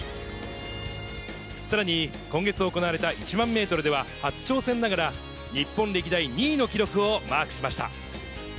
さらに、今月行われた１万メートルでは、初挑戦ながら日本歴代２位の記録をマークしました。